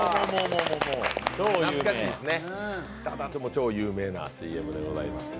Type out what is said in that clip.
超有名なＣＭでございます。